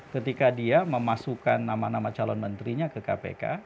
ketika dia memasukkan nama nama calon menterinya ke kpk